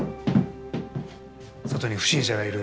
⁉外に不審者がいる。